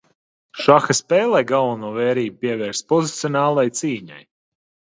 Šaha spēlē galveno vērību pievērsa pozicionālai cīņai.